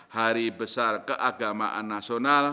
hari besar keagamaan nasional